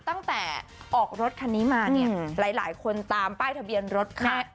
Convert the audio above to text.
ตั้งแต่ออกรถคันนี้มาเนี่ยหลายคนตามป้ายทะเบียนรถคันนี้